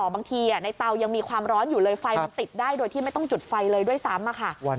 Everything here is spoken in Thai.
บางทีในเตายังมีความร้อนอยู่เลยไฟมันติดได้โดยที่ไม่ต้องจุดไฟเลยด้วยซ้ำค่ะ